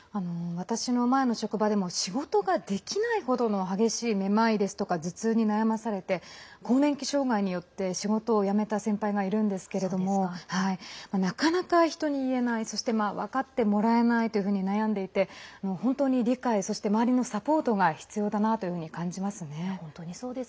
私の前の職場でも仕事ができない程の激しいめまいですとか頭痛に悩まされて更年期障害によって仕事を辞めた先輩がいるんですけれどもなかなか人に言えないそして、分かってもらえないと悩んでいて、本当に理解そして周りのサポートが必要だなと感じますね。